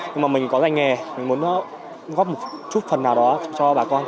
nhưng mà mình có ngành nghề mình muốn góp một chút phần nào đó cho bà con